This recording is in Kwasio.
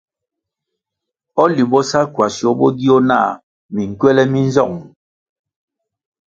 O Limbo sa Ckwasio bo gio nah minkywèlè mi nzong ?